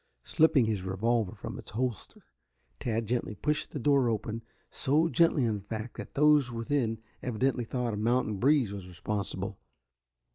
Slipping his revolver from its holster Tad gently pushed the door open, so gently in fact that those within evidently thought a mountain breeze was responsible.